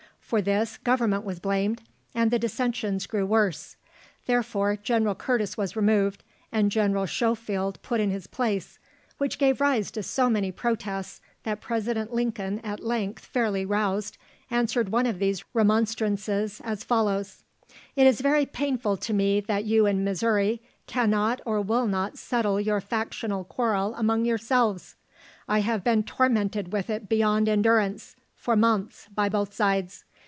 For this, Government was blamed, and the dissensions grew worse. Therefore, General Curtis was removed, and General Schofield put in his place, which gave rise to so many protests, that President Lincoln, at length fairly roused, answered one of these remonstrances as follows: "It is very painful to me that you in Missouri can not or will not settle your factional quarrel among yourselves. I have been tormented with it beyond endurance, for months, by both sides.